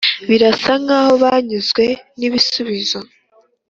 birasa nkaho banyuzwe nibisubizo.